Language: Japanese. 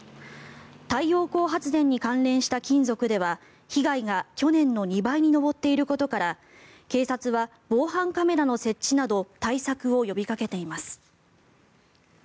太陽光発電に関連した金属では被害が去年の２倍に上っていることから警察は防犯カメラの設置など対策を呼びかけています。